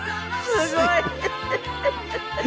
すごい。